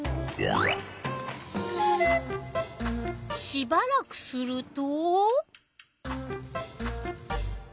しばらくすると。